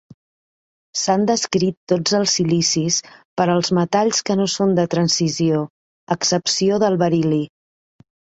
S'han descrit tots els silicis per a els metalls que no són de transició, a excepció del beril·li.